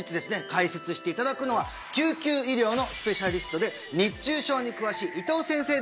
解説していただくのは救急医療のスペシャリストで熱中症に詳しい伊藤先生です